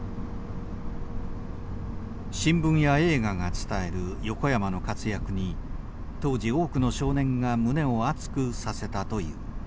新聞や映画が伝える横山の活躍に当時多くの少年が胸を熱くさせたという。